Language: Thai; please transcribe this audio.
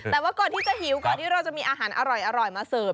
แต่ว่าก่อนที่จะหิวก่อนที่เราจะมีอาหารอร่อยมาเสิร์ฟ